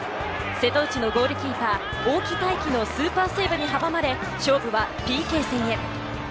瀬戸内のゴールキーパー、大木泰季のスーパーセーブに阻まれ勝負はＰＫ戦へ。